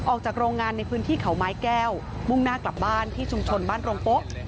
ออกจากโรงงานในพื้นที่เขาไม้แก้วมุ่งหน้ากลับบ้านที่ชุมชนบ้านโรงโป๊ะ